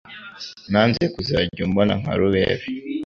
nanze kuzajya umbona nka rubebe